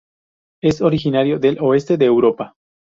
Es originario del oeste de Europa.